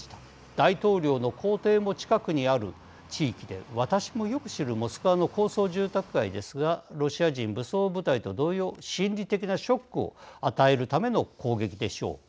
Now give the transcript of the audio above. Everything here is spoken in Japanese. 大統領の公邸も近くにある地域で私もよく知るモスクワの高層住宅街ですがロシア人武装部隊と同様心理的なショックを与えるための攻撃でしょう。